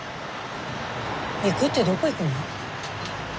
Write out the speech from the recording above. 行くってどこ行くの？